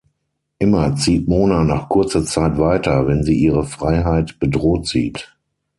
Immer zieht Mona nach kurzer Zeit weiter, wenn sie ihre Freiheit bedroht sieht.